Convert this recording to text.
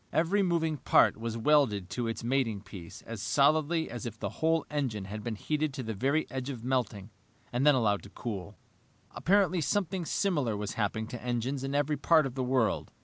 Every moving part was welded to its mating piece as solidly as if the whole engine had been heated to the very edge of melting and then allowed to cool. Apparently something similar was happening to engines in every part of the world.